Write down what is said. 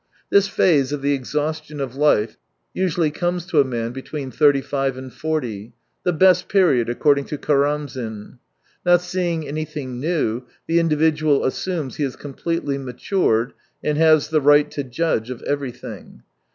This phase of the exhaustion of life usually comes to a man between thirty five and forty — the best period, according to Karamzin. Not seeing anything new, the individual assumes he is completely matured and has the right to judge of everything.